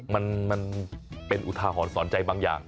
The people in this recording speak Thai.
มันเป็นอุทาหรณ์สอนใจบางอย่าง